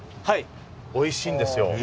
はいおいしいんですよ。